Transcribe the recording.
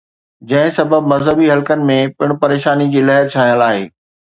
جنهن سبب مذهبي حلقن ۾ پڻ پريشاني جي لهر ڇانيل آهي.